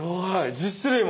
１０種類も。